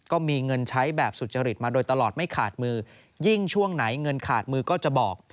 ก็มีเงินใช้แบบสุจริตมาโดยตลอดไม่ขาดมือยิ่งช่วงไหนเงินขาดมือก็จะบอก